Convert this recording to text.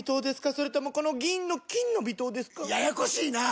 それともこの銀の「金の微糖」ですか？ややこしいなぁ！